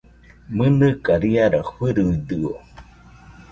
¿Mɨnɨka riara fɨruidɨo?